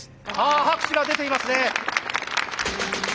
拍手が出ていますね。